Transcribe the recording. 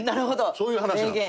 そういう話なんです。